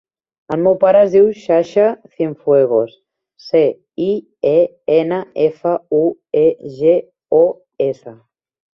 El meu pare es diu Sasha Cienfuegos: ce, i, e, ena, efa, u, e, ge, o, essa.